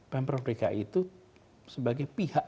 pemprov dki itu sebagai pihak